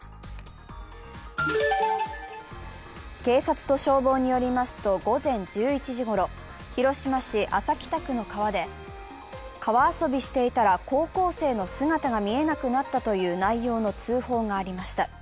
警察と消防によりますと、午前１１時ごろ、広島市安佐北区の川で川遊びしていたら高校生の姿が見えなくなったという内容の通報がありました。